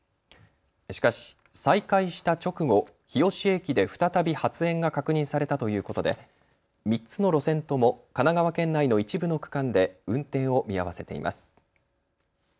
しかし再開した直後、日吉駅で再び発煙が確認されたということで３つの路線とも神奈川県内の一部の区間で運転を見合わせています。